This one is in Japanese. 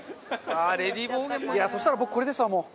中丸：そうしたら僕、これですわ、もう。